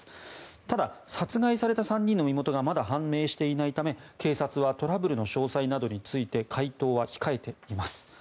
ただ、殺害された３人の身元がまだ判明していないため警察はトラブルの詳細などについて回答は控えています。